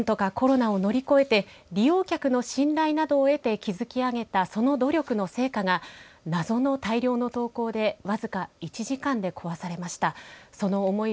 何とかコロナを乗り越えて利用客の信頼などを得て築き上げたその努力の成果が謎の大量の投稿で僅か１時間で壊されました。